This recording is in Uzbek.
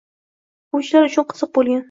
O‘quvchilar uchun qiziq bo’lgan.